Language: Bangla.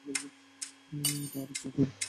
এটা আরেকটা রোল।